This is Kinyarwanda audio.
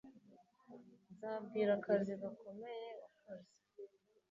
Nzabwira akazi gakomeye wakoze.